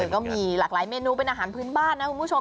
ก็มีหลากหลายเมนูเป็นอาหารพื้นบ้านนะคุณผู้ชม